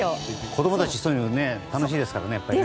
子供たち、そういうの楽しいですからね。